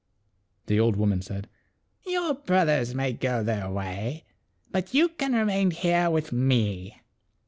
The old woman said, " Your brothers may go their way, but you can remain here with me.